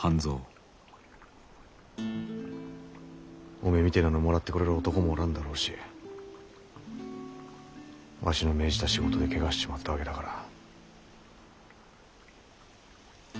おめえみてえなのをもらってくれる男もおらんだろうしわしの命じた仕事でけがしちまったわけだから。